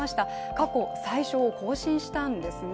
過去最少を更新したんですね。